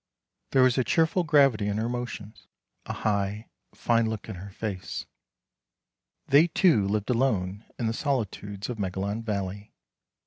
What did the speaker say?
There was a cheerful gravity in her motions, a high, fine look in her face. They two lived alone in the solitudes of Megalon Valley.